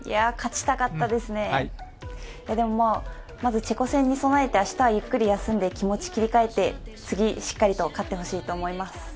勝ちたかったですね、でもまずチェコ戦に備えて明日、ゆっくり休んで気持ち切り替えて、次、しっかりと勝ってほしいと思います。